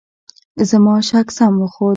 زما شک سم وخوت .